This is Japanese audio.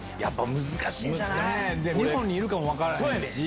日本にいるかも分からへんし。